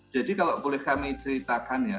jadi kalau boleh kami ceritakan ya